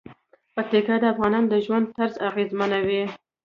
پکتیا د افغانانو د ژوند طرز اغېزمنوي.